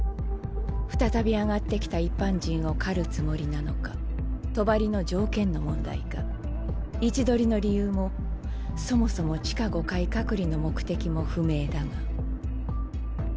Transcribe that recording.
再び上がってきた一般人を狩るつもりなのか帳の条件の問題か位置取りの理由もそもそも地下５階隔離の目的も不明だが。